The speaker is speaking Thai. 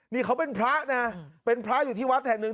นี่เขาเป็นพระนะเป็นพระอยู่ที่วัดแห่งหนึ่ง